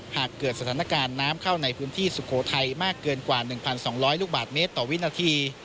หากเกิดสถานการณ์น้ำเข้าในพื้นที่สุโขทัยมากเกินกว่า๑๒๐๐ลูกบาทเมตรต่อวินาที